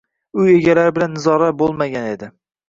Uy egalari bilan nizolar boʻlmagan edi